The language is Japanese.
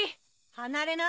離れな！